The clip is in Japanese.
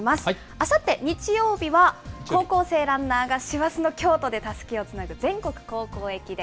あさって日曜日は、高校生ランナーが師走の京都でたすきをつなぐ、全国高校駅伝。